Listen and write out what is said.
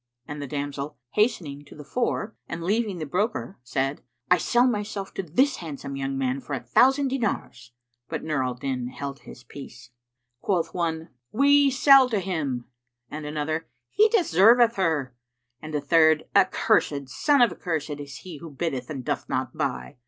And the damsel hastening to the fore and leaving the broker, said, "I sell myself to this handsome young man for a thousand dinars." But Nur al Din held his peace. Quoth one, "We sell to him;" and another, "He deserveth her;" and a third, "Accursed, son of accursed, is he who biddeth and doth not buy!"